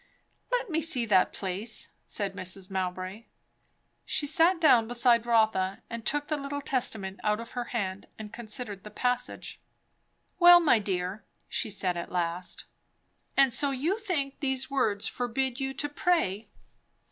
'" "Let me see that place," said Mrs. Mowbray. She sat down beside Rotha and took the little Testament out of her hand, and considered the passage. "Well, my dear," she said at last, "and so you think these words forbid you to pray?"